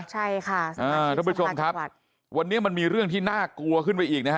ใช่ค่ะอ่าท่านผู้ชมครับวันนี้มันมีเรื่องที่น่ากลัวขึ้นไปอีกนะฮะ